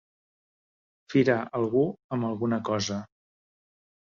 Firar algú amb alguna cosa.